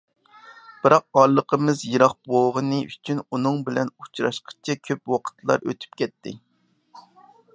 بىراق ئارىلىقىمىز يىراق بوغىنى ئۈچۈن ئۇنىڭ بىلەن ئۇچراشقىچە كۆپ ۋاقىتلا ئۆتۈپ كەتتى.